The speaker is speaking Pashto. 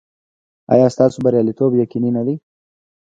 ایا ستاسو بریالیتوب یقیني نه دی؟